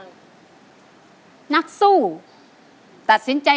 นี่คือเพลงที่นี่